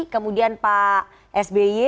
kemudian pak sby